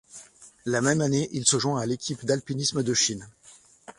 La même année, il se joint à l'équipe d'alpinisme de Chine.